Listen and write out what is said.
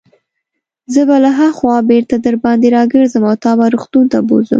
زه به له هاخوا بیرته درباندې راګرځم او تا به روغتون ته بوزم.